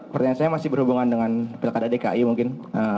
pertanyaan saya masih berhubungan dengan pilkada dki mungkin